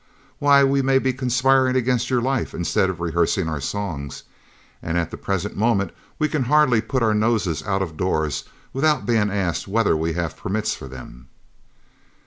Why, we may be conspiring against your life instead of rehearsing our songs, and at the present moment we can hardly put our noses out of doors without being asked whether we have permits for them."